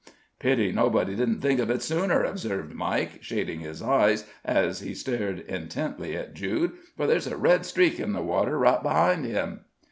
"Pity nobody didn't think of it sooner," observed Mike, shading his eyes as he stared intently at Jude, "for there's a red streak in the water right behind him."